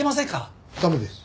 駄目です。